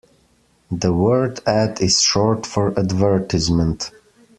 The word ad is short for advertisement